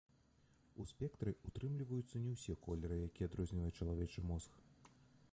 У спектры ўтрымліваюцца не ўсе колеры, якія адрознівае чалавечы мозг.